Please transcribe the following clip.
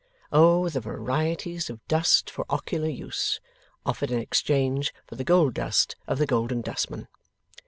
Oh the varieties of dust for ocular use, offered in exchange for the gold dust of the Golden Dustman!